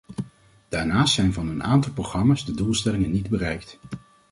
Daarnaast zijn van een aantal programma's de doelstellingen niet bereikt.